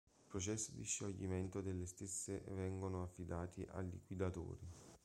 I processi di scioglimento delle stesse vengono affidati a liquidatori.